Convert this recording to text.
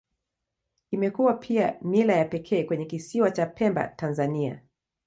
Imekuwa pia mila ya pekee kwenye Kisiwa cha Pemba, Tanzania.